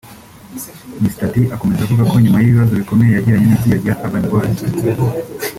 Mr D akomeza avuga ko nyuma y’ibibazo bikomeye yagiranye n’itsinda rya Urban boys